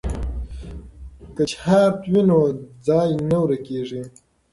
که چارت وي نو ځای نه ورکیږي.